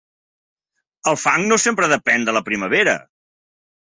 El fang no sempre depèn de la primavera.